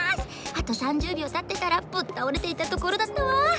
あと３０びょうたってたらぶったおれていたところだったわ。